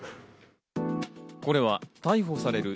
これは逮捕される